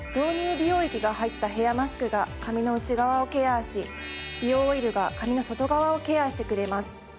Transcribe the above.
美容液が入ったヘアマスクが髪の内側をケアし美容オイルが髪の外側をケアしてくれます。